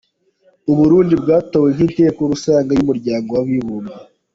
U Burundi bwatowe n’Inteko rusange y’Umuryango w’Abibumbye.